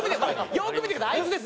よく見てください。